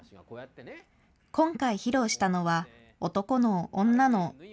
今回披露したのは、男脳・女脳。